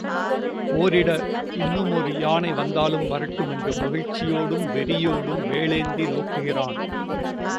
போரிட இன்னுமொரு யானை வந்தாலும் வரட்டுமென்று மகிழ்ச்சியோடும், வெறியோடும் வேலேந்தி நோக்குகிறான்.